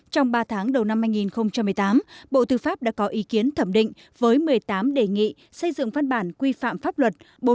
trong ba tháng đầu năm hai nghìn một mươi tám bộ tư pháp đã có ý kiến thẩm định với một mươi tám đề nghị xây dựng văn bản quy phạm pháp luật